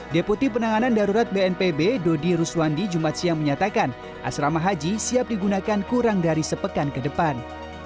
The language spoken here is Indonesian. deputi penanganan darurat bnpb dodi ruswandi jumat siang menyatakan asrama haji siap digunakan kurang dari sepekan ke depan